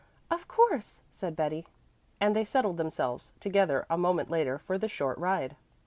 "Of course," said Betty, and they settled themselves together a moment later for the short ride.